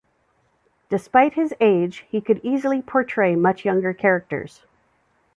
Despite his age, he could easily portray much younger characters.